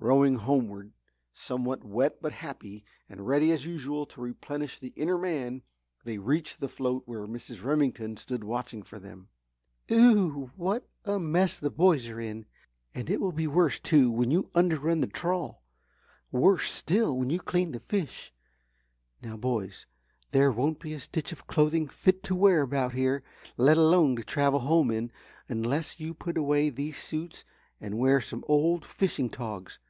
Rowing homeward, somewhat wet but happy and ready as usual to replenish the inner man, they reached the float where Mrs. Remington stood watching for them. "Oo oh! What a mess the boys are in! And it will be worse too when you 'under run' the trawl. Worse still when you clean the fish. Now, boys there won't be a stitch of clothing fit to wear about here, let alone to travel home in, unless you put away these suits and wear some old fishing togs.